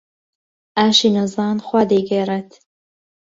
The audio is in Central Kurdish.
ئاشی نەزان خوا دەیگێڕێت.